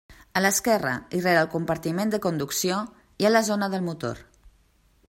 A l'esquerra i rere el compartiment de conducció, hi ha la zona del motor.